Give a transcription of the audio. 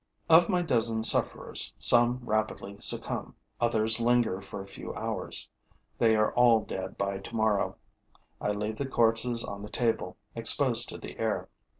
Of my dozen sufferers, some rapidly succumb, others linger for a few hours. They are all dead by tomorrow. I leave the corpses on the table, exposed to the air.